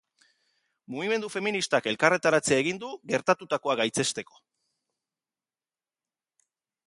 Mugimendu feministak elkarretaratzea egin du gertatutakoa gaitzesteko.